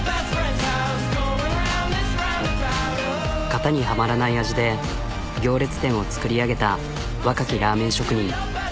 型にはまらない味で行列店を作り上げた若きラーメン職人。